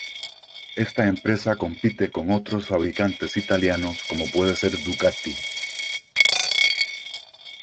Esta empresa compite con otros fabricantes italianos como puede ser Ducati.